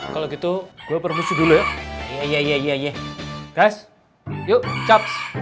kalau gitu gue permisi dulu ya